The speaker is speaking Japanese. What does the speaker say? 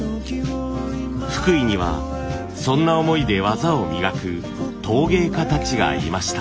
福井にはそんな思いで技を磨く陶芸家たちがいました。